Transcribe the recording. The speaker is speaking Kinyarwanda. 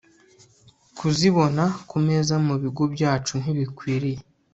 kuzibona ku meza mu bigo byacu Ntibikwiriye